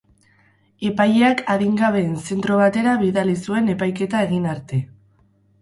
Epaileak adingabeen zentro batera bidali zuen epaiketa egin arte.